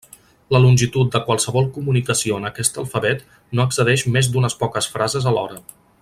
La longitud de qualsevol comunicació en aquest alfabet, no excedeix més d'unes poques frases alhora.